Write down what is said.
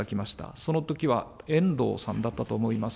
そのときはえんどうさんだったと思います。